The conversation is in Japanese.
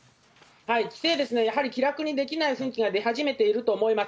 帰省ですね、やはり気楽にできない雰囲気が出始めていると思います。